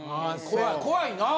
怖いなぁ。